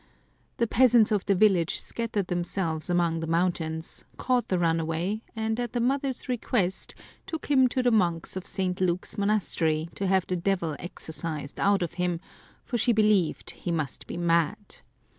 The peasants of the village scattered themselves among the mountains, caught the runaway, and at the mother's request took him to the monks of St. Luke's monastery to have the devil exorcised out of him, for she believed he must be mad.